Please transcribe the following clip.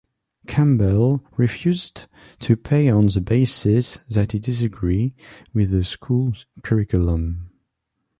Campbell refused to pay on the basis that he disagreed with the school curriculum.